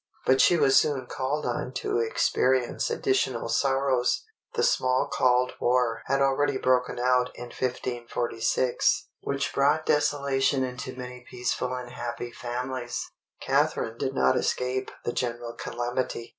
But she was soon called on to experience additional sorrows. The Smalcald War had already broken out in 1546, which brought desolation into many peaceful and happy families. Catharine did not escape the general calamity.